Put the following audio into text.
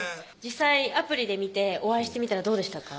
実際アプリで見てお会いしてみたらどうでしたか？